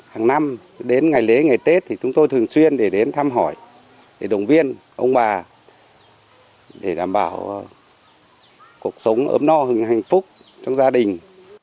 hàng năm đến ngày lễ ngày tết thì chúng tôi thường xuyên để đến thăm hỏi để động viên ông bà để đảm bảo cuộc sống ấm no hạnh phúc trong gia đình